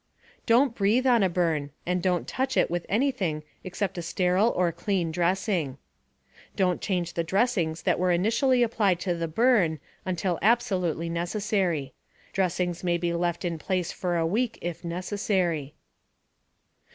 Don't breathe on a burn, and don't touch it with anything except a sterile or clean dressing. Don't change the dressings that were initially applied to the burn, until absolutely necessary. Dressings may be left in place for a week, if necessary.